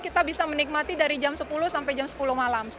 kita bisa menikmati dari jam sepuluh sampai jam sepuluh malam